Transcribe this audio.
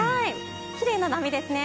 きれいな波ですね。